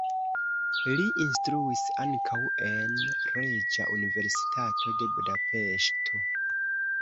Li instruis ankaŭ en Reĝa Universitato de Budapeŝto.